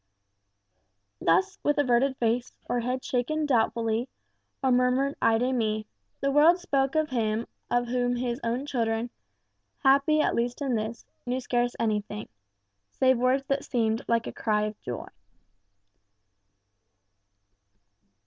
Thus, with averted face, or head shaken doubtfully, or murmured "Ay de mi," the world spoke of him, of whom his own children, happy at least in this, knew scarce anything, save words that seemed like a cry of joy.